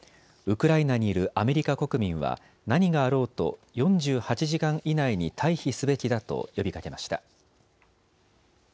ウクライナにいるアメリカ国民は何があろうと４８時間以内に退避すべきだと呼びかけました。